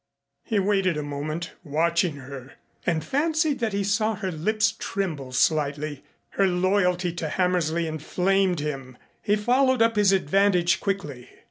He waited a moment, watching her, and fancied that he saw her lips tremble slightly. Her loyalty to Hammersley inflamed him. He followed up his advantage quickly.